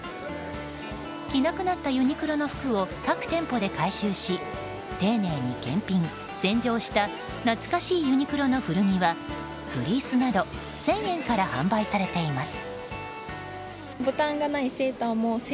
着なくなったユニクロの服を各店舗で回収し丁寧に検品、洗浄した懐かしいユニクロの古着はフリースなど１０００円から販売されています。